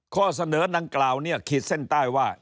ข้อเสนอดังกล่าวเนี่ยขีดเส้นใต้ว่า